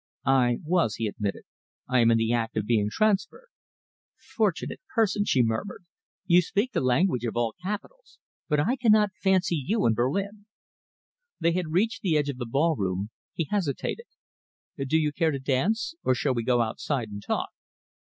"I was," he admitted. "I am in the act of being transferred." "Fortunate person!" she murmured. "You speak the language of all capitals, but I cannot fancy you in Berlin." They had reached the edge of the ballroom. He hesitated. "Do you care to dance or shall we go outside and talk?"